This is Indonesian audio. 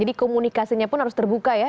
jadi komunikasinya pun harus terbuka ya